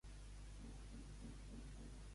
Pertany al moviment independentista la Freya?